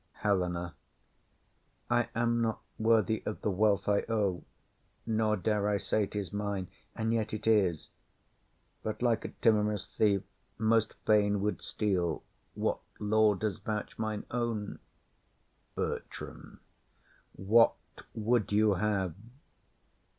HELENA. I am not worthy of the wealth I owe; Nor dare I say 'tis mine, and yet it is; But, like a timorous thief, most fain would steal What law does vouch mine own. BERTRAM. What would you have?